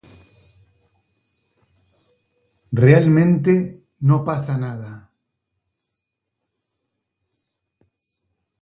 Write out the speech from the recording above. Realmente, no pasa nada.